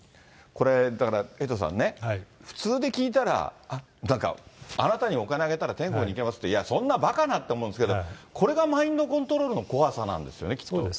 これ、だからエイトさんね、普通で聞いたら、なんか、あなたにお金を上げたら天国に行けますって、いや、そんなばかなって思うんですけど、これがマインドコントロールの怖さなんですよね、きっと。